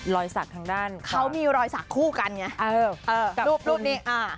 รอยสักทางด้านเขามีรอยสักคู่กันไงเออเออกับรูปรูปนี้อ่า